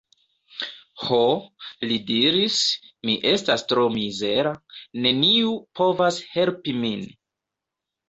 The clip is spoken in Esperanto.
Ho, li diris, mi estas tro mizera; neniu povas helpi min.